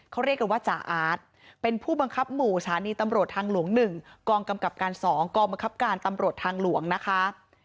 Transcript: เขาเรียกกันว่าจ่าอาร์ตเป็นผู้บังคับหมู่สถานีตำรวจทางหลวง๑กองกำกับการ๒กองบังคับการตำรวจทางหลวงนะคะ